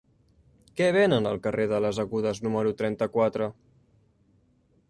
Què venen al carrer de les Agudes número trenta-quatre?